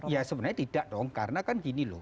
ya sebenarnya tidak dong karena kan gini loh